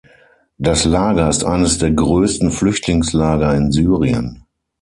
Das Lager ist eines der größten Flüchtlingslager in Syrien.